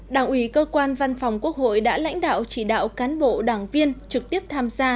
đảng ủy cơ quan văn phòng quốc hội đã lãnh đạo chỉ đạo cán bộ đảng viên trực tiếp tham gia